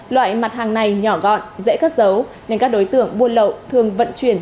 loại mặt hàng này nhỏ gọn dễ cất dấu nên các đối tượng buôn lậu thường vận chuyển